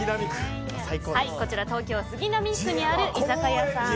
こちら東京・杉並区にある居酒屋さん